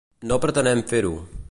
No pretenem fer-ho.